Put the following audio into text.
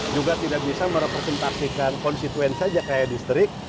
juga tidak bisa merepresentasikan konstituen saja kayak distrik